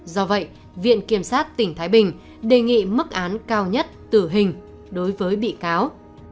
do vậy viện kiểm sát tỉnh thái bình đề nghị mức án cao nhất tử hình đối với bị cáo